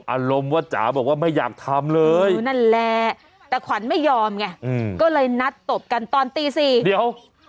อารมณ์ว่าจ๋าบอกว่าไม่อยากทำเลย